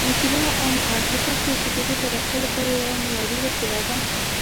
موزیلا عام غږ د پښتو ژبې د پراختیا لپاره یوه معیاري وسیله ده.